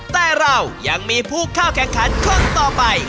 แต่เรายังมีผู้เข้าแข่งขันคนต่อไป